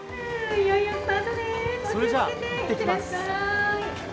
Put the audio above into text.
それじゃ、行ってきます。